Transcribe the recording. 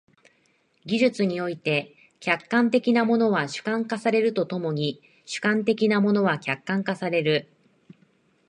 技術において、客観的なものは主観化されると共に主観的なものは客観化される。